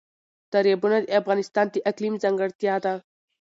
دریابونه د افغانستان د اقلیم ځانګړتیا ده.